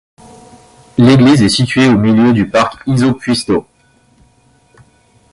L'église est située au milieu du parc Isopuisto.